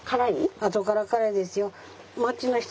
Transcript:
あとから辛いですよ。